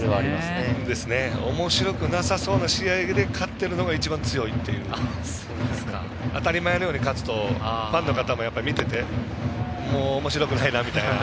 おもしろくなさそうな試合で勝っているのがいちばん強いという当たり前のように勝つとファンの方も見ていておもしろくないなみたいな。